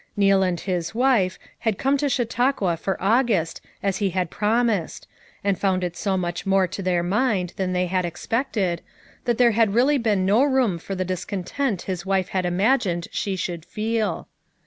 Neal and his wife had come to Chautauqua for August as he had promised, and had found it so much more to FOUR MOTHERS AT CHAUTAUQUA 143 their mind than they had expected, that there had really been no room for the discontent his wife had imagined she should feel.